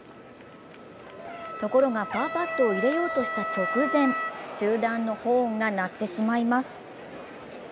ところがパーパットを入れようとした直前、中断のホーンが鳴ってしまいます。